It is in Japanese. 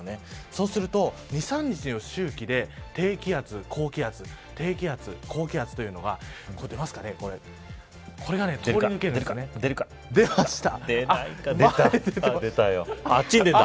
そうすると２、３日の周期で低気圧、高気圧低気圧、高気圧というのがこれが通り抜けるんです。